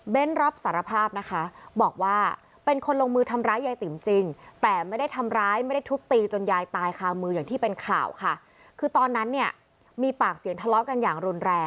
เบ้นรับสารภาพนะคะบอกว่าเป็นคนลงมือทำร้ายยายติ๋มจริง